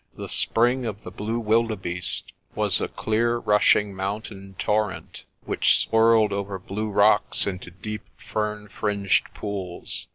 The Spring of the Blue Wildebeeste was a clear rushing mountain torrent, which swirled over blue rocks into deep fern fringed pools.